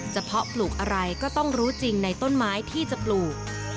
เพาะปลูกอะไรก็ต้องรู้จริงในต้นไม้ที่จะปลูก